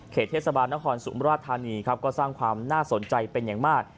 เทศบาลนครสุมราชธานีครับก็สร้างความน่าสนใจเป็นอย่างมาก